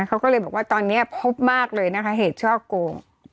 เขาก็เลยบอกว่าตอนนี้พบมากเลยนะคะเหตุช่อโกง